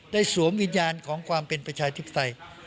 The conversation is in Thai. สวมวิญญาณของความเป็นประชาธิปไตย